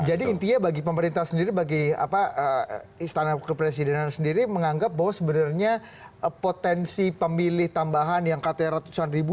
jadi intinya bagi pemerintah sendiri bagi apa istana kepresidenan sendiri menganggap bahwa sebenarnya potensi pemilih tambahan yang katanya ratusan ribu